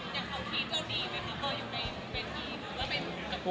อย่างเขาทีสก็ดีมันก็อยู่ในเมนทีหรือว่าเป็น